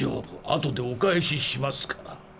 後でお返ししますから。